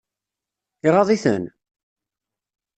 Iɣaḍ-iten?